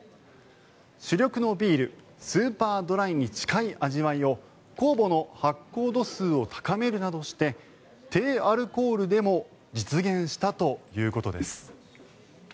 主力のビールスーパードライに近い味わいを酵母の発酵度数を高めるなどして低アルコールでも実現したということです。